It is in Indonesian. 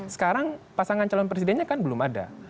sekarang pasangan calon presidennya kan belum ada